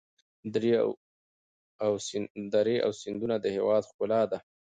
درې او سیندونه د هېواد ښکلا ده.